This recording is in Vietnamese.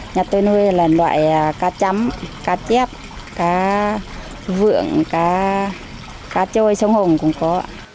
nói chung là loại cá chấm cá chép cá vượng cá trôi sông hồng cũng có